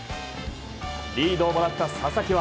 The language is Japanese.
リードをもらった佐々木は。